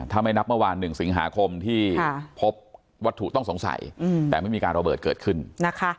ถ้าไม่นับเมื่อวาน๑สิงหาคมที่พบวัตถุต้องสงสัยแต่ไม่มีการระเบิดเกิดขึ้นนะคะ